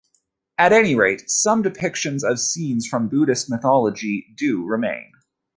At any rate, some depictions of scenes from Buddhist mythology do remain.